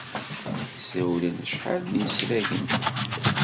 Ssawlen acḥal n yisragen.